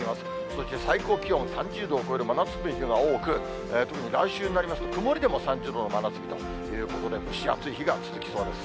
そして最高気温３０度を超える真夏日という日が多く、特に来週になりますと、曇りでも３０度の真夏日ということで、蒸し暑い日が続きそうです。